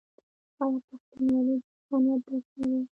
آیا پښتونولي د انسانیت درس نه دی؟